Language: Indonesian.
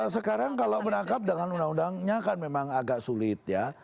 sekarang kalau menangkap dengan undang undangnya kan memang agak sulit ya